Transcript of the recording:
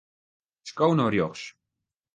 Sko nei rjochts.